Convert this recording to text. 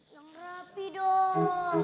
yang rapi dong